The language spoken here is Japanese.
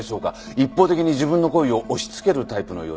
一方的に自分の好意を押し付けるタイプのようですね。